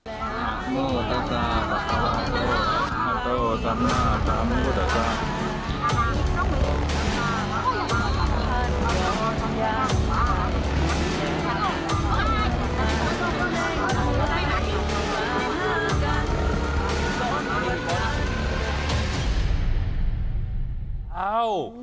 อัตโธสัมภาษณะสามุทธศาสตร์